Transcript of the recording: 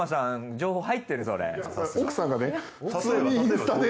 情報入ってる？